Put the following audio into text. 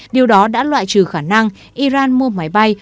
điều đó đã loại trừ khả năng iran mua máy bay